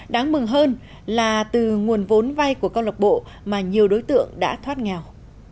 đáng mừng hơn là từ nguồn vốn vai của câu lạc bộ mà nhiều đối tượng đã thoát ngào